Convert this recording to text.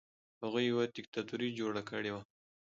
هغوی یوه دیکتاتوري جوړه کړې وه.